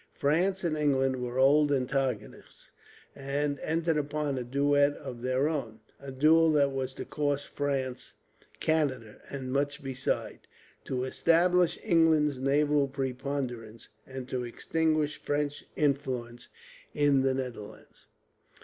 France and England were old antagonists, and entered upon a duel of their own; a duel that was to cost France Canada, and much besides; to establish England's naval preponderance; and to extinguish French influence in the Netherlands.